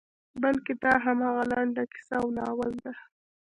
بلکې دا همغه لنډه کیسه او ناول ده.